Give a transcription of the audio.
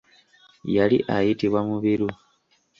Yali ayitibwa Mubiru.